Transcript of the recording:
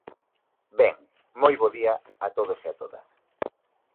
Ben, moi bo día a todos e a todas.